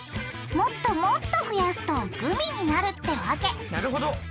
もっともっと増やすとグミになるってわけなるほど。